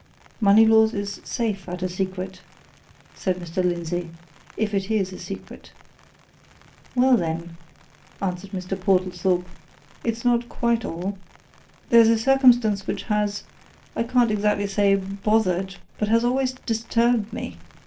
"Moneylaws is safe at a secret," said Mr. Lindsey. "If it is a secret." "Well, then," answered Mr. Portlethorpe, "it's not quite all. There is a circumstance which has I can't exactly say bothered but has somewhat disturbed me.